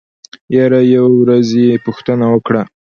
يره يوه ورځ يې پوښتنه وکړه.